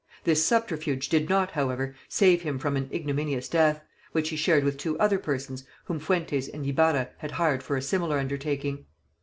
This subterfuge did not, however, save him from an ignominious death, which he shared with two other persons whom Fuentes and Ibarra had hired for a similar undertaking.